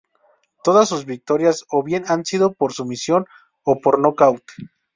Todas sus victorias o bien han sido por sumisión o por nocaut.